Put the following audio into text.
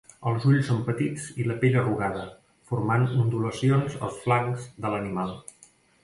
Els ulls són petits i la pell arrugada, formant ondulacions als flancs de l'animal.